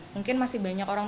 mungkin masih banyak orang